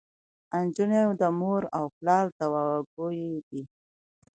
انجونو د مور او پلار دوعاګويه دي.